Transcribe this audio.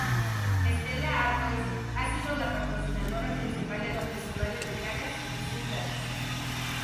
Stella Artois ha sido la patrocinadora principal en los festivales de Cannes y Sundance.